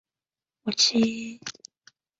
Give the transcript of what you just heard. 四十七年。